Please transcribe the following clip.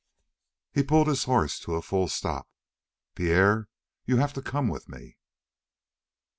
He pulled his horse to a full stop. "Pierre, you have to come with me."